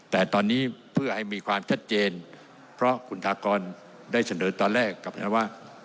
แต่ตอนนี้เพื่อให้มีความชัดเจนเพราะคุณทากรได้เสนอตอนแรกกลับแล้วว่า